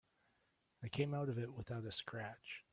I came out of it without a scratch.